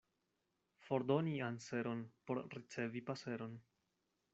Fordoni anseron, por ricevi paseron.